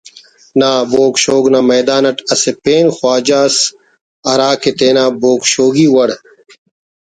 نا بوگ شوگ نا میدان اٹ اسہ پین خواجہ اس ہراکہ تینا بوگ شوگی وڑ